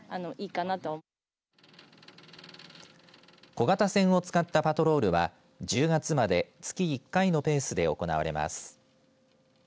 小型船を使ったパトロールは１０月まで月１回のペースで行われます。